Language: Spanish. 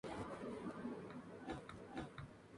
En su honor hay un marcador en este sitio.